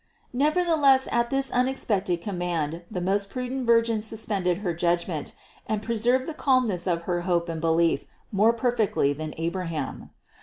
744. Nevertheless at this unexpected command the most prudent Virgin suspended her judgment, and pre served the calmness of her hope and belief more per fectly than Abraham.